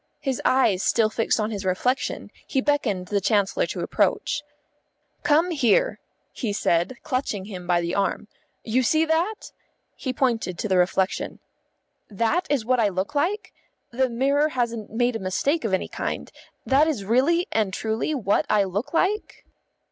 His eyes still fixed on his reflection, he beckoned the Chancellor to approach. "Come here," he said, clutching him by the arm. "You see that?" He pointed to the reflection. "That is what I look like? The mirror hasn't made a mistake of any kind? That is really and truly what I look like?"